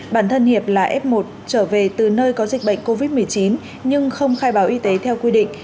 bản thân hiệp là f một trở về từ nơi có dịch bệnh covid một mươi chín nhưng không khai báo y tế theo quy định